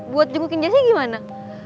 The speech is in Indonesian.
buat jungkukin jessi gimana